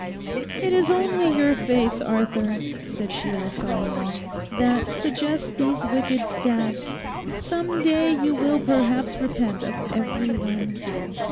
'It is only your face, Arthur,' said Sheila solemnly, 'that suggest these wicked stabs. Some day you will perhaps repent of every one.